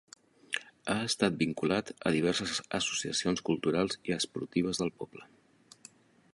Ha estat vinculat a diverses associacions culturals i esportives del poble.